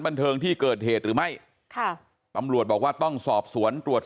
บันเทิงที่เกิดเหตุหรือไม่ค่ะตำรวจบอกว่าต้องสอบสวนตรวจ